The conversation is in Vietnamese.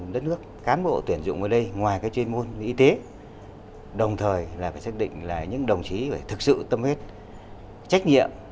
đất nước cán bộ tuyển dụng ở đây ngoài cái chuyên môn y tế đồng thời là phải xác định là những đồng chí phải thực sự tâm huyết trách nhiệm